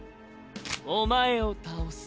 お前を倒す。